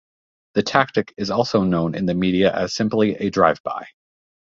The tactic is also known in the media as simply a "drive-by".